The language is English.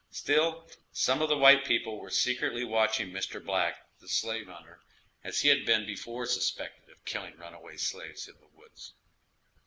Still some of the white people were secretly watching Mr. Black, the slave hunter, as he had been before suspected of killing runaway slaves in the woods.